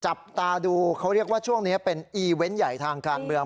จับตาดูเขาเรียกว่าช่วงนี้เป็นอีเวนต์ใหญ่ทางการเมือง